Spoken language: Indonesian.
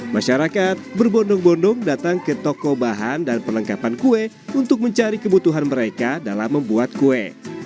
masyarakat berbondong bondong datang ke toko bahan dan perlengkapan kue untuk mencari kebutuhan mereka dalam membuat kue